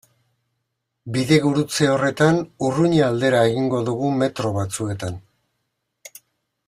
Bidegurutze horretan Urruña aldera egingo dugu metro batzuetan.